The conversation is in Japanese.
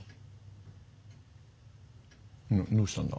どうしたんだ？